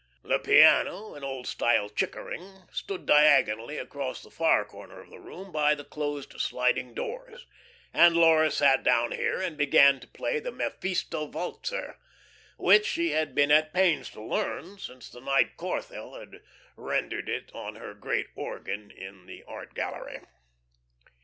The piano, an old style Chickering, stood diagonally across the far corner of the room, by the closed sliding doors, and Laura sat down here and began to play the "Mephisto Walzer," which she had been at pains to learn since the night Corthell had rendered it on her great organ in the art gallery.